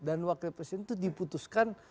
dan wakil presiden itu diputuskan